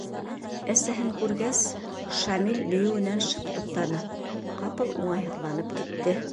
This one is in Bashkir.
Әсәһен күргәс, Шамил бейеүенән шып туҡтаны, ҡапыл уңайһыҙланып китте: